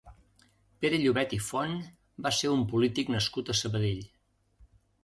Pere Llobet i Font va ser un polític nascut a Sabadell.